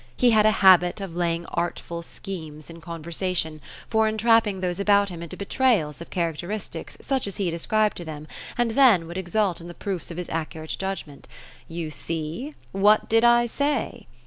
He had a habit of laying artful schemes in conversation, for entrapping those about him into betrayals of charac teristics such as he had ascribed to them — and then would exult in the proofs of his accurate judgment '' You see ! What did I say